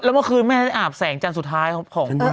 แล้วเมื่อคืนแม่ได้อาบแสงจันทร์สุดท้ายครับของ